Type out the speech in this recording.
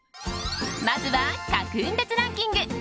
まずは各運別ランキング！